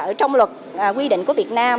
ở trong luật quy định của việt nam